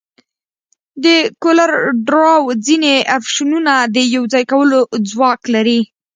د کولر ډراو ځینې افشنونه د یوځای کولو ځواک لري.